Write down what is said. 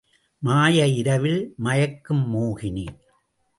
மாய இரவில் மயக்கும் மோகினி!